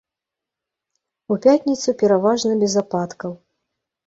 У пятніцу пераважна без ападкаў.